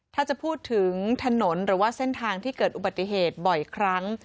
ถ้าจะพูดถึงถนนหรือว่าเส้นทางที่เกิดอุบัติเหตุบ่อยครั้ง